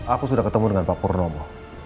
aku sudah ketemu dengan pak purnomo